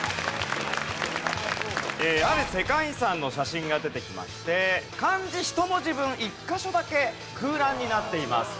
ある世界遺産の写真が出てきまして漢字１文字分１カ所だけ空欄になっています。